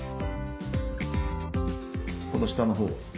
この下のほうは？